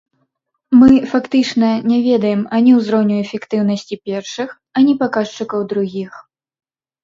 Мы фактычна не ведаем ані ўзроўню эфектыўнасці першых, ані паказчыкаў другіх.